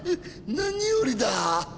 何よりだ。